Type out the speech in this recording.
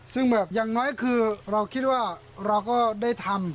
ซึ่งแบบอย่างน้อยคือเราคิดว่าเราก็ได้ทำ